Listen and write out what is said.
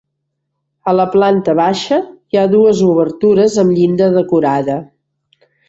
A la planta baixa hi ha dues obertures amb llinda decorada.